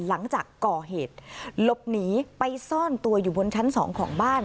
หลังจากก่อเหตุหลบหนีไปซ่อนตัวอยู่บนชั้น๒ของบ้าน